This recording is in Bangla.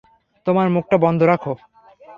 তোমার মুখটা বন্ধ রাখো।